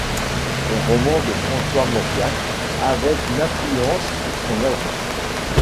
Les romans de François Mauriac avaient une influence sur son œuvre.